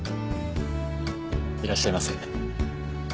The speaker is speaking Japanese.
いらっしゃいませ。